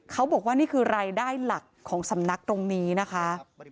เขาบอกว่านี่คือรายได้หลักของสำนักตรงนี้นะคะ